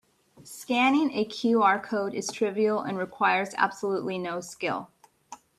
Scanning a QR code is trivial and requires absolutely no skill.